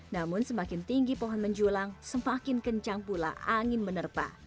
namun semakin tinggi pohon menjulang semakin kencang pula angin menerpa